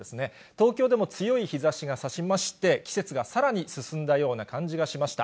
東京でも強い日ざしがさしまして、季節がさらに進んだような感じがしました。